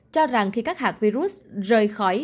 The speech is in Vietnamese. cho rằng khi các hạt virus rời khỏi